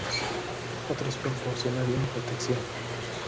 Otros proporcionarían protección.